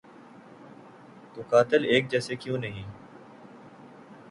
تو قاتل ایک جیسے کیوں نہیں؟